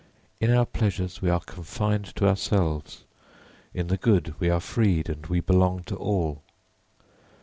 In our pleasures we are confined to ourselves, in the good we are freed and we belong to all.